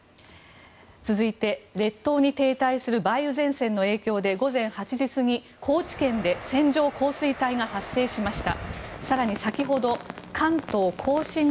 続いて、列島に停滞する梅雨前線の影響で午前８時過ぎ、高知県で線状降水帯が発生しました。